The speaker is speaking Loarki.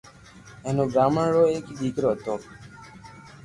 ھين او براھامن ار ايڪ ھي دآڪرو ھتو